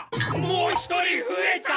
もう一人ふえた！